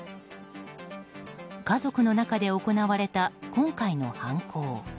家族の中で行われた今回の犯行。